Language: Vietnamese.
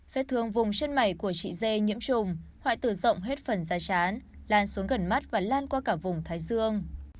vết thương vùng chân mày của chị dê nhiễm trùng hoại tử rộng hết phần da chán lan xuống gần mắt và lan qua cả vùng thái dương